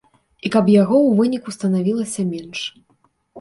І каб яго ў выніку станавілася менш.